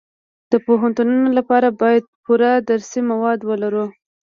د پوهنتونونو لپاره باید پوره درسي مواد ولرو